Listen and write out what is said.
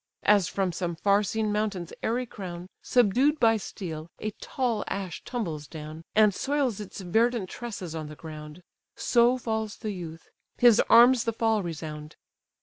As from some far seen mountain's airy crown, Subdued by steel, a tall ash tumbles down, And soils its verdant tresses on the ground; So falls the youth; his arms the fall resound.